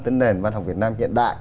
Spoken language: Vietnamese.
tên nền văn học việt nam hiện đại